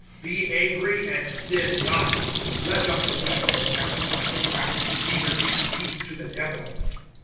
(26)Be angry and sin not; let not the sun go down upon your wrath, (27)neither give place to the Devil.